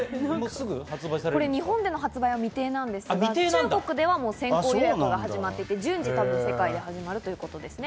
これで日本での発売は未定なんですが、中国ではもう先行予約が始まっているということで順次、世界で始まるということですね。